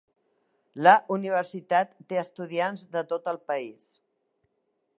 La universitat té estudiants de tot el país.